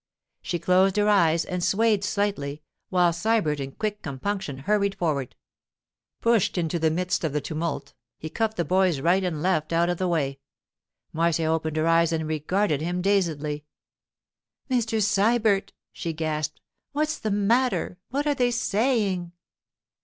She closed her eyes and swayed slightly, while Sybert in quick compunction hurried forward. Pushing into the midst of the tumult, he cuffed the boys right and left out of the way. Marcia opened her eyes and regarded him dazedly. 'Mr. Sybert!' she gasped. 'What's the matter? What are they saying?